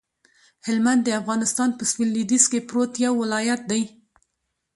هلمند د افغانستان په سویل لویدیځ کې پروت یو ولایت دی